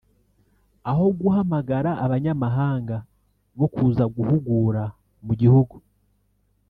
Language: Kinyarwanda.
aho guhamagara abanyamahanga bo kuza guhugura mu gihugu